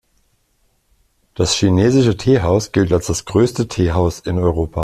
Das Chinesische Teehaus gilt als das größte Teehaus in Europa.